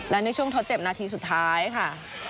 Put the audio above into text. และในช่วงทดเจ็บนาทีสุดท้ายค่ะ